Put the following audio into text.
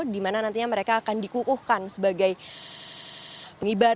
dimana nantinya mereka akan dikukuhkan sebagai pengibar